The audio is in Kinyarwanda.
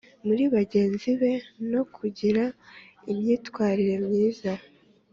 muri bagenzi be no kugira imyitwarire myiza.